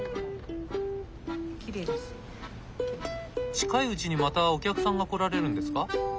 近いうちにまたお客さんが来られるんですか？